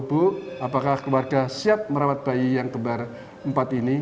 ibu apakah keluarga siap merawat bayi yang kembar empat ini